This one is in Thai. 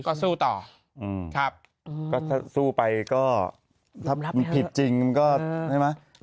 ก็สู้ต่อครับก็ถ้าสู้ไปก็ถ้ามันผิดจริงมันก็ใช่ไหม